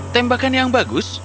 tembakan yang bagus